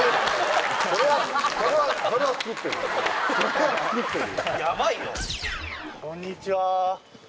それは作ってる。